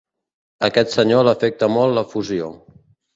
Aquest senyor l’afecta molt la fusió.